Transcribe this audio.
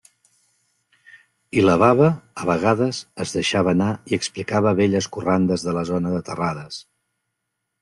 I la baba, a vegades, es deixava anar i explicava velles corrandes de la zona de Terrades.